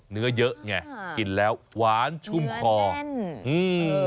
เนื้อเยอะไงกินแล้วหวานชุ่มคอเนื้อแน่นอืม